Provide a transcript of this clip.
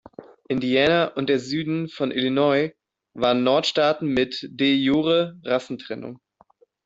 Indiana und der Süden von Illinois waren Nordstaaten mit "De iure"-Rassentrennung.